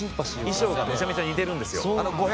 衣装がめちゃめちゃ似てるんですよ。